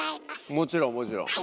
もちろんもちろん。